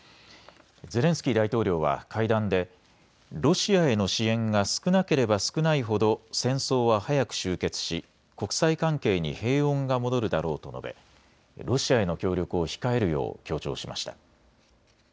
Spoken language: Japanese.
ゼレンスキー大統領は会談でロシアへの支援が少なければ少ないほど戦争は早く終結し国際関係に平穏が戻るだろうと述べ、ロシアへの協力を控えるよう強調しました。